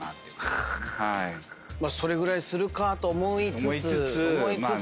それぐらいするかと思いつつ思いつつ。